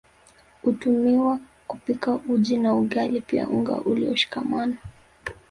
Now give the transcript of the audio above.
Hutumiwa kupika uji na ugali pia unga ulioshikamana